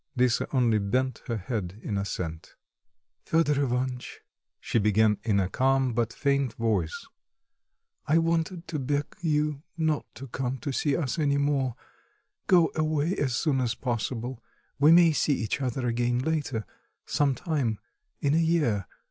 Lisa only bent her head in assent. "Fedor Ivanitch," she began in a calm but faint voice, "I wanted to beg you not to come to see us any more; go away as soon as possible, we may see each other again later sometime in a year.